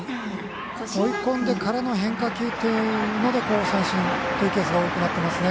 追い込んでからの変化球というので三振というケースが多くなっていますね。